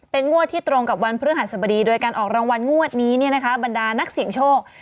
งวดที่ตรงกับวันพฤหัสบดีโดยการออกรางวัลงวดนี้เนี่ยนะคะบรรดานักเสี่ยงโชค